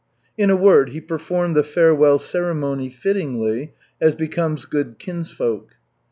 In a word, he performed the farewell ceremony fittingly, as becomes good kinsfolk.